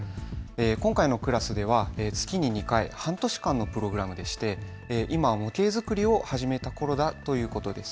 今回のクラスでは月に２回、半年間のプログラムで今は模型作りを始めたころだということです。